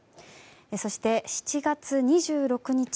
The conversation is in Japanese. そして、７月２６日。